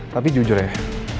tapi jujur ya